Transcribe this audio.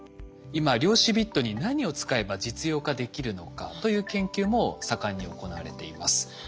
今量子ビットに何を使えば実用化できるのかという研究も盛んに行われています。